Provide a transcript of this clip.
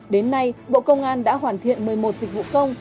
đến nay bộ công an đã hoàn thiện một mươi một dịch vụ công